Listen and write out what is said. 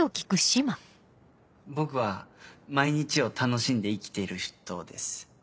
僕は毎日を楽しんで生きている人です。